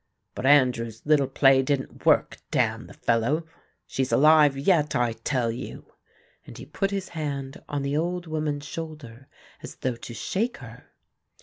But Andrew's little play didn't work, damn the fellow. She's alive yet, I tell you," and he put his hand on the old woman's shoulder as though to shake her.